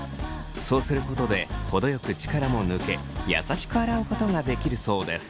そうすることで程よく力も抜け優しく洗うことができるそうです。